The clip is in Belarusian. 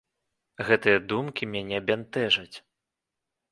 Гэтыя думкі мяне бянтэжаць.